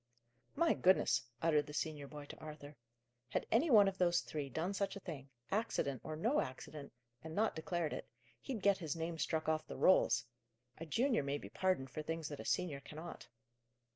"My goodness!" uttered the senior boy, to Arthur. "Had any one of those three done such a thing accident or no accident and not declared it, he'd get his name struck off the rolls. A junior may be pardoned for things that a senior cannot."